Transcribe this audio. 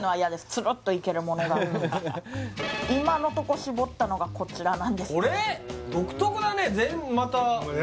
つるっといけるものが今のとこ絞ったのがこちらなんですけどこれ？